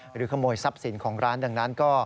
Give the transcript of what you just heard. ขโมยทรัพย์สินของร้านดังนั้นก็